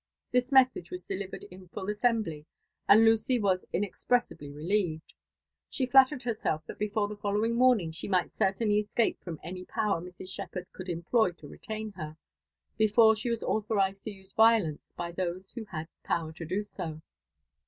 This message was delivered in full assembly, and Lucy was inexpressibly relieved : she flattered herself that before the following morning she might certainly escape from any power Mrs. Shepherd could employ to retain her, before she was authorised to use violence by those who had power to do so.